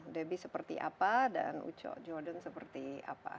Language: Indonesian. debbie seperti apa dan jordan seperti apa